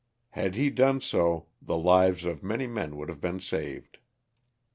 Had he done so the lives of many men would have been saved.